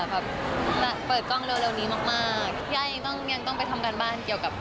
เปิดกล้องเร็วนี้มากมากพี่ไอ้ต้องยังต้องไปทำการบ้านเกี่ยวกับ